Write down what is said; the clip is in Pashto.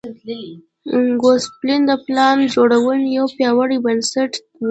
ګوسپلن د پلان جوړونې یو پیاوړی بنسټ و.